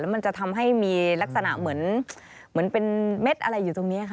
มันจะทำให้มีลักษณะเหมือนเป็นเม็ดอะไรอยู่ตรงนี้ค่ะ